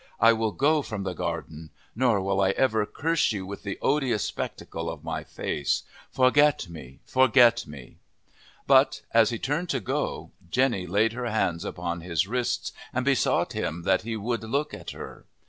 I will go from the garden. Nor will I ever curse you with the odious spectacle of my face. Forget me, forget me." But, as he turned to go, Jenny laid her hands upon his wrists and besought him that he would look at her.